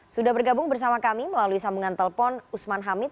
sudah bergabung bersama kami melalui sambungan telepon usman hamid